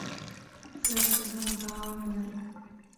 زه په ځان باور لرم.